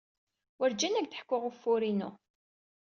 Werǧin ad ak-d-ḥkuɣ ufur-inu.